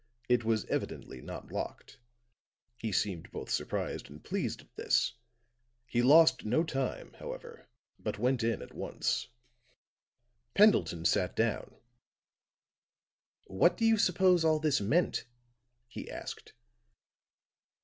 It was evidently not locked. He seemed both surprised and pleased at this; he lost no time, however, but went in at once." Pendleton sat down. "What do you suppose all this meant?" he asked.